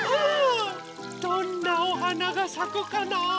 どんなおはながさくかな。